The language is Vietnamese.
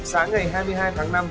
sáng ngày hai mươi hai tháng năm